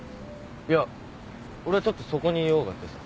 いや俺はちょっとそこに用があってさ。